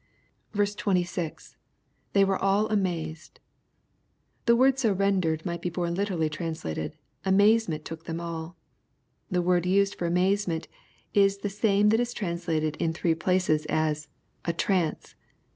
26. — [TJiey were aU amaaed,] The word so rendered might be more literally translated, '^ Amazement took them alL'* The word used for amazement is the same that is translated in three places as " a trance.'